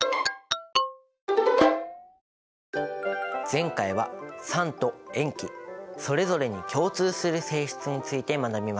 前回は酸と塩基それぞれに共通する性質について学びました。